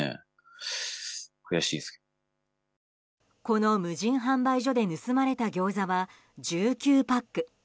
この無人販売所で盗まれたギョーザは１９パック。